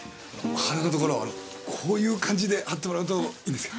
鼻のところをこういう感じで貼ってもらうといいんですが。